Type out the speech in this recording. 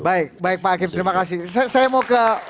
baik baik pak hakim terima kasih saya mau ke